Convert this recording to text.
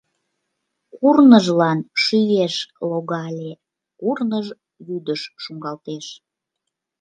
Курныжлан шӱеш логале Курныж вӱдыш шуҥгалтеш